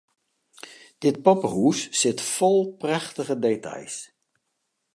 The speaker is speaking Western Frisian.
Dit poppehûs sit fol prachtige details.